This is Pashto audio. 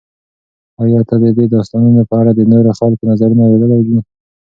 ایا ته د دې داستان په اړه د نورو خلکو نظرونه اورېدلي دي؟